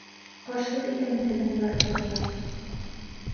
Ҡашһыҙ итәм мин һеҙҙең барығыҙҙы ла.